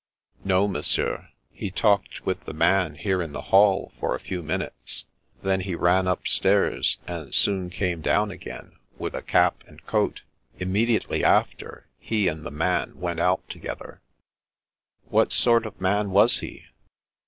No, Monsieur. He talked with the man here in the hall for a few minutes ; then he ran upstairs and soon came down again with a cap and coat. Imme diately after, he and the man went out together." " What sort of man was he